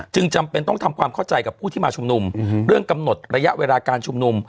จำเป็นต้องทำความเข้าใจกับผู้ที่มาชุมนุมเรื่องกำหนดระยะเวลาการชุมนุม